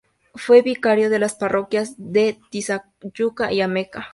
Fue vicario de las parroquias de Tizayuca y Ameca.